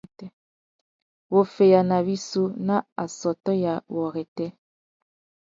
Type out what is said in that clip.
Wuffeyana wissú nà assôtô ya wôrêtê.